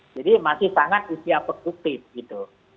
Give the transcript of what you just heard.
jadi masih sangat usia produktif gitu